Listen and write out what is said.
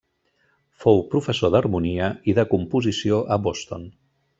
Fou professor d'harmonia i de composició a Boston.